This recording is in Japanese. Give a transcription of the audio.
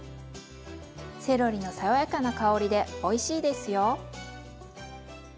セロリの爽やかな香りでおいしいですよ。